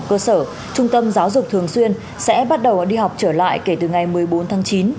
cơ sở trung tâm giáo dục thường xuyên sẽ bắt đầu đi học trở lại kể từ ngày một mươi bốn tháng chín